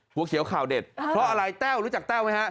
หัวเขียวข่าวเด็ดเพราะอะไรแต้วรู้จักแต้วไหมฮะ